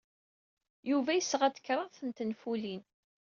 Yuba yesɣa-d kraḍt n tenfulin.